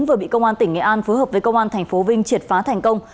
vừa bị công an tỉnh nghệ an phối hợp với công an tp vinh triệt phá thành công